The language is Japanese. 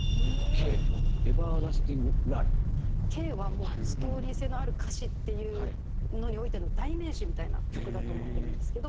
『Ｋ』はストーリー性のある歌詞っていうのにおいての代名詞みたいな曲だと思ってるんですけど。